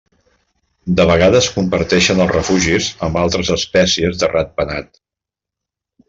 De vegades comparteixen els refugis amb altres espècies de ratpenat.